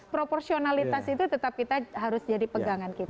proporsionalitas itu tetap kita harus jadi pegangan kita